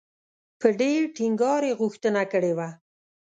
په ډېر ټینګار یې غوښتنه کړې وه.